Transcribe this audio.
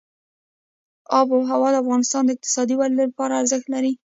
آب وهوا د افغانستان د اقتصادي ودې لپاره ارزښت لري.